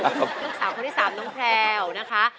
ลูกสาวคนที่๓น้องแพลวนะคะ